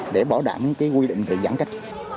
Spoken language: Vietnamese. để bỏ đảm cái quy định về giãn cách